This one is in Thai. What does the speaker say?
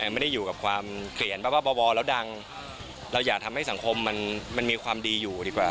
ไม่ได้อยู่กับความเกลียนแบบว่าเบาแล้วดังเราอย่าทำให้สังคมมันมีความดีอยู่ดีกว่า